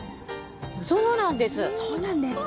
そうなんです。